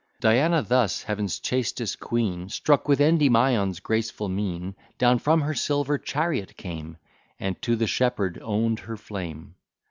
Diana thus, Heaven's chastest queen Struck with Endymion's graceful mien Down from her silver chariot came, And to the shepherd own'd her flame.